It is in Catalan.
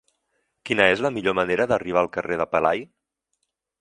Quina és la millor manera d'arribar al carrer de Pelai?